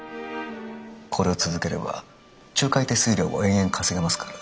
これを続ければ仲介手数料を延々稼げますから。